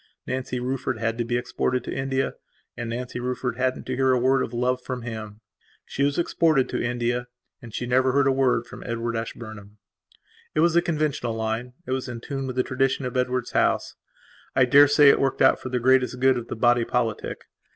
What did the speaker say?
Nancy Rufford had to be exported to India, and Nancy Rufford hadn't to hear a word of love from him. She was exported to India and she never heard a word from Edward Ashburnham. It was the conventional line; it was in tune with the tradition of Edward's house. I daresay it worked out for the greatest good of the body politic.